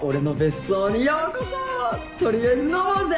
取りあえず飲もうぜ！